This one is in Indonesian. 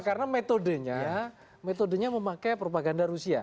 karena metodenya memakai propaganda rusia